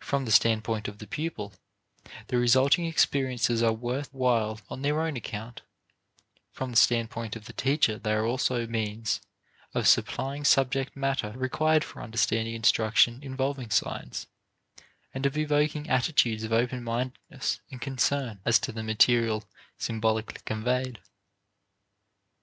From the standpoint of the pupil, the resulting experiences are worth while on their own account; from the standpoint of the teacher they are also means of supplying subject matter required for understanding instruction involving signs, and of evoking attitudes of open mindedness and concern as to the material symbolically conveyed.